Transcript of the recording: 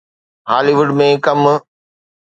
هالي wood ۾ ڪم